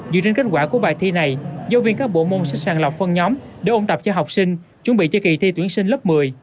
dựa trên kết quả của bài thi này giáo viên các bộ môn sẽ sàng lọc phân nhóm để ôn tập cho học sinh chuẩn bị cho kỳ thi tuyển sinh lớp một mươi